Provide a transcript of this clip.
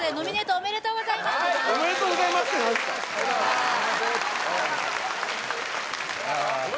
おめでとうございますって何？